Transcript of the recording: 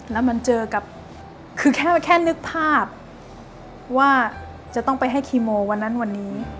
แล้วมันเจอกับคือแค่นึกภาพว่าจะต้องไปให้คีโมวันนั้นวันนี้